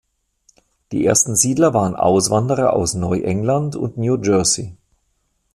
Die ersten Siedler waren Auswanderer aus Neuengland und New Jersey.